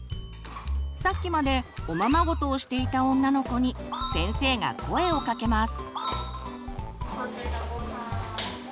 さっきまでおままごとをしていた女の子に先生が声をかけます。